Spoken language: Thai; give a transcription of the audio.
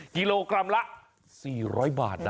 กิโลกรัมละ๔๐๐บาทนะ